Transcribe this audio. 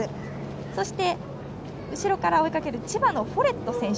そして、後ろから追いかける千葉のフォレット選手。